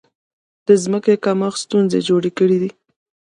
د ځمکې کمښت ستونزې جوړې کړې.